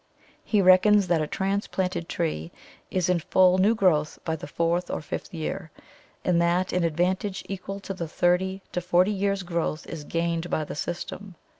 He reckons that a transplanted tree is in full new growth by the fourth or fifth year, and that an advantage equal to from thirty to forty years' growth is gained by the system.